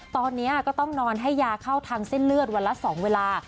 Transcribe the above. ตอนนี้ก็ต้องนอนให้ยาเข้าทางเส้นเลือดวันละ๒เวลา